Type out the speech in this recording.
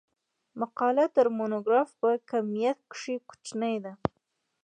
مقاله تر مونوګراف په کمیت کښي کوچنۍ ده.